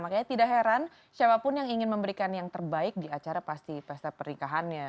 makanya tidak heran siapapun yang ingin memberikan yang terbaik di acara pasti pesta pernikahannya